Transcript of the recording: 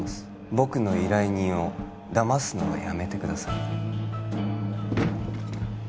僕の依頼人をだますのはやめてください